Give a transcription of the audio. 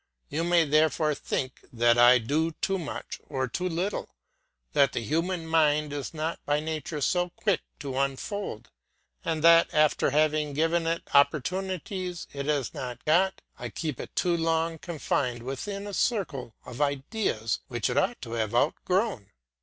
You may therefore think that I do too much or too little; that the human mind is not by nature so quick to unfold; and that after having given it opportunities it has not got, I keep it too long confined within a circle of ideas which it ought to have outgrown.